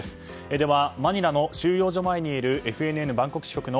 ではマニラの収容所前にいるＦＮＮバンコク支局の